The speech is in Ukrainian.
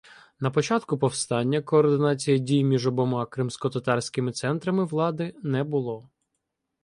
На початку повстання координації дій між обома кримськотатарськими центрами влади не було.